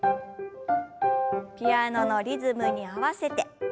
ピアノのリズムに合わせて。